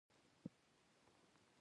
کله چې ایس میکس کتاب ته اشاره وکړه